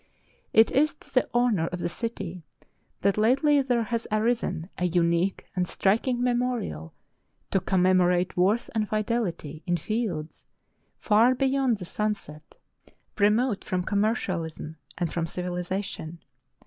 It is to the honor of the city that lately there has arisen a unique and striking memorial to commemorate worth and fidelity in fields far beyond the sunset, remote from commer cialism and from civilization.